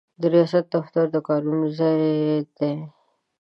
د ریاست دفتر د کارونو ځای دی.